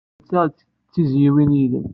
Netta d tizzyiwin yid-wen.